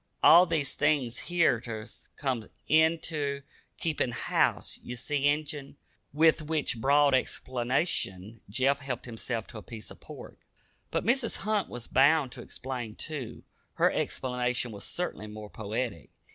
All these things hez ter come inter keepin' house, ye see, Injun." With which broad explanation Jeff helped himself to a piece of pork. But Mrs. Hunt was bound to explain too. Her explanation was certainly more poetic.